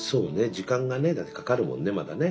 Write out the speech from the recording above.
時間がねだってかかるもんねまだね。